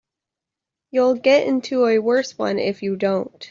You'll get into a worse one if you don't.